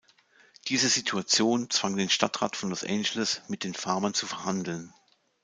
Diese Situation zwang den Stadtrat von Los Angeles mit den Farmern zu verhandeln.